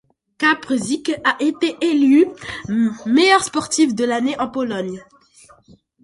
Kasprzyk a été élu meilleur sportif de l'année en Pologne.